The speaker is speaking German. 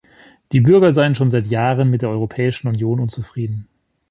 Die Bürger seien schon seit Jahren mit der Europäischen Union unzufrieden.